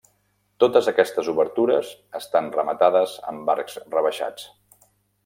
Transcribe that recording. Totes aquestes obertures estan rematades amb arcs rebaixats.